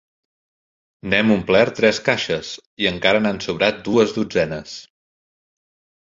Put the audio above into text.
N'hem omplert tres caixes i encara n'han sobrat dues dotzenes.